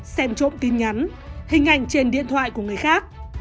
xem trộm tin nhắn hình ảnh trên điện thoại của người khác